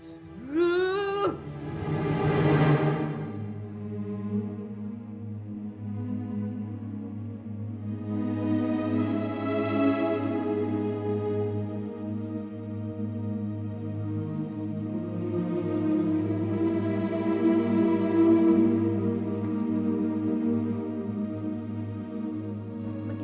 saya tewas presentation tadi